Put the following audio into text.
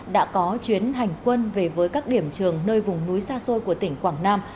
đã có chuyến hành quân về với các điểm trường nơi vùng núi xa xôi của tỉnh quảng nam